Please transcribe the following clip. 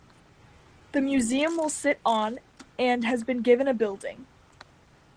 The museum will sit on and has been given a building.